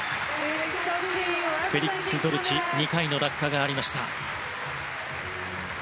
フェリックス・ドルチ２回の落下がありました。